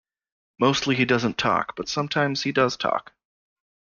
Mostly he doesn't talk, but sometimes he does talk.